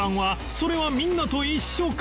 それはみんなと一緒か？